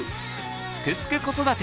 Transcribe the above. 「すくすく子育て」